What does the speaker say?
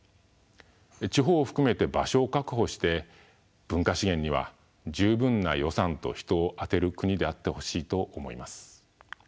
地方を含めて場所を確保して文化資源には十分な予算と人を充てる国であってほしいと思います。